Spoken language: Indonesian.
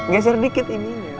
geser dikit ininya